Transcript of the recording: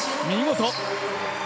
見事！